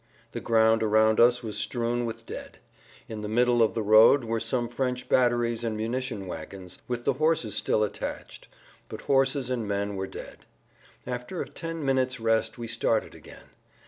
The ground around us was strewn with dead. In the middle of the road were some French batteries and munition wagons, with the horses still attached; but horses and men were dead. After a ten minutes' rest we started again.